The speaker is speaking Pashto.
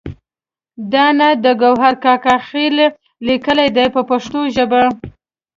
دا نعت د ګوهر کاکا خیل لیکلی دی په پښتو ژبه.